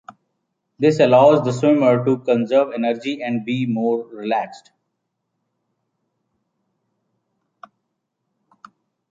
This allows the swimmer to conserve energy and be more relaxed.